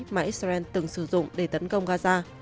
mà israel từng sử dụng để tấn công gaza